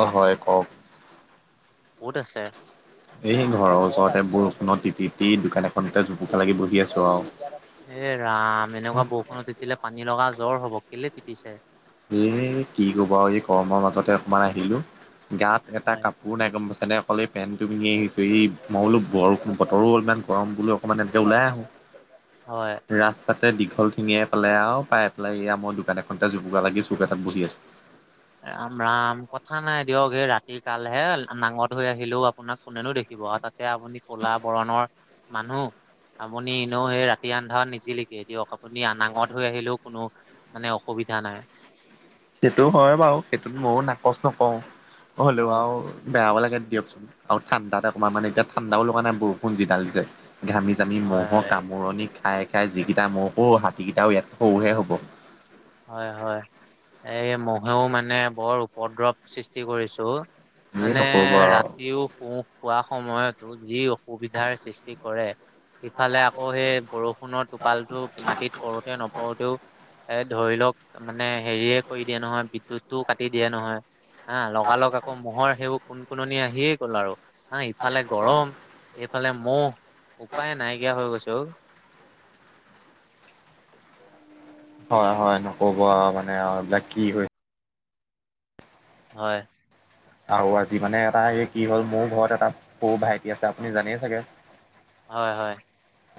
অহ হয় কওক। বহুত আছে। এই ঘৰৰ ওচৰতে বৰষুণত তিতি দোকান এখনতে জুপুকা লাগি বহি আছো আও। এ ৰাম এনেকুৱা বৰষুণত তেতিলে পানী লগা জ্বৰ হব কেলে তিতিছে। এ কি কবা আৰু এই গৰমৰ মাজতে অকমান আহিলো গাত এটা হয় কাপ- একো নাই গম পাইছা নে অকলে এই পেণ্টটো পিন্ধি আহিছোঁ এই মই বোলো বৰ বতৰো অলপমান গৰম বোলোঁ। মানে তেওঁ ওলাই আহো। হয়। ৰাস্তাতে দীঘল ঠিঙিয়াই পালে আৰু পাই পেলাই এয়া মই দোকান এখনতে জুপুকা লাগি চুক এটাত বহি আছো। ৰাম ৰাম কথা নাই দিয়ক সেই ৰাতি কালহে নাঙত হৈ আহিলেও আপোনাক কোনেনো দেখিব আৰু তাত। এতিয়া আপুনি কলা বৰণৰ মানুহ। আপুনি এনেও সেই ৰাতি আন্ধাৰ নিজিলেকে দিয়ক আপুনি নাঙত হৈ আহিলেও কোনো মানে অসুবিধা নাই। সেইটো হয় বাৰু সেইটোত ময়ো নাকচ নকৰওঁ হ'লেও হয় আও। বেয়াও লাগে দিয়কচোন আৰু ঠাণ্ডাতে অকণমান মানে এতি ঠাণ্ডাও লগা নাই বৰষুণ যি দাল দিছে ঘামি আমি হয় ম'হ হয় কামোৰণি খাই খাই যিকেইটা ম'হ ঔ হাতীকেইটাও ইয়াত সৰুহে হ'ব। হয় হয় এই মহেও মানে বৰ উপদ্ৰৱ সৃষ্টি কৰিছোঁ। এ মানে নক'ব আৰু ৰাতিও শো খোৱা সময়তো যি সুবিধাৰ সৃষ্টি কৰে। সিফালে আকৌ সেই বৰষুণৰ টোপালটো মাটিত পৰোঁতে নপৰোতেও এ ধৰি লওক মানে হেৰিয়ে কৰি দিয়ে নহয় বিদ্যুতটোও কাটি দিয়ে নহয়। হা লগালগ আকৌ মহৰ সেইবোৰ কোন কুননি আহিয়ে গ'ল আৰু। ন ইফালে গৰম এইফালে মহ উপায় নাইকিয়া হৈ গৈছে অ। হয় হয় নকব আৰু মানে আৰু এইবিলাক কি হৈ। হয়। আৰু আজি মানে এটা এই কি হ'ল মোৰ ঘৰত এটা সৰু ভাইটি আছে আপুনি জানেই চাগে। হয় হয়।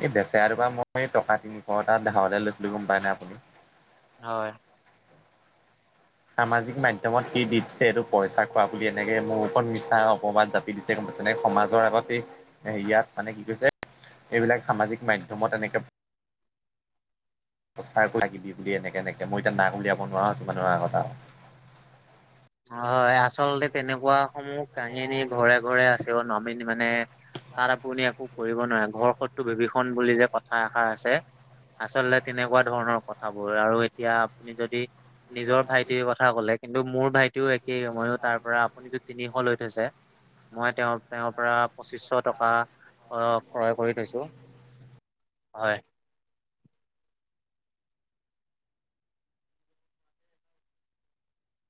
এই বেচেৰাটোপা মই টকা তিনিশটা ধাৰলে লৈছিলো গম পাই নাই আপুনি হয়। সামাজিক মাধ্যমত সি দি দিছে এইটো পইচা খোৱা বুলি এনেকে মোৰ ওপৰত মিছা অপবাদ যাত- দিছে গম পাইছে নে সমাজৰ আগতে ইয়াত মানে কি কৈছে এইবিলাক সামাজিক মাধ্যমত এনেকে [unintelligible] বুলি এনেকে এনেক মই এতিয়া নাক উলিয়াব নোৱাৰা হৈছোঁ মানুহৰ আগত আও। হয় আচলতে তেনেকুৱাসমূহ কাহিনী ঘৰে ঘৰে আছে নমিনি মানে তাত আপুনি একো কৰিব নোৱাৰে ঘৰ শত্ৰু বিভীষণ বুলি যে কথা এষাৰ আছে আচলতে তেনেকুৱা ধৰণৰ কথাবোৰ আৰু এতিয়া আপুনি যদি নিজৰ ভাইটিৰ কথা ক'লে কিন্তু মোৰ ভাইটিও এক- মইও তাৰ পৰা আপুনিতো তিনিশ লৈ থৈছে মই তেওঁ তেওঁৰ পৰা পঁচিশশ টকা আহ ক্ৰয় কৰি থৈছো। হয়।